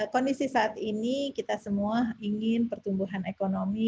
kondisi saat ini kita semua ingin pertumbuhan ekonomi